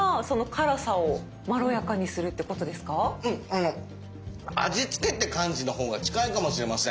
あの味つけって感じのほうが近いかもしれません。